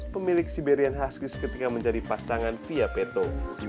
pemilik siberian huskies ketika mencari pasangan via peto